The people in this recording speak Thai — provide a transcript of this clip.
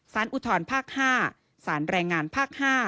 อุทธรภาค๕สารแรงงานภาค๕